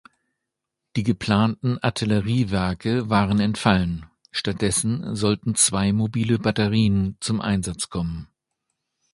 Die geplanten Artilleriewerke waren entfallen; stattdessen sollten zwei mobile Batterien zum Einsatz kommen.